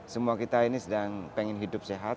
semua kita ini sedang pengen hidup sehat